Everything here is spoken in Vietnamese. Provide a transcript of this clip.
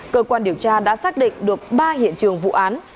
cơ quan điều tra đã xác định được ba hiện trường vụ án